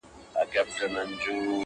د هر پلار كيسه د زوى په وينو سره ده،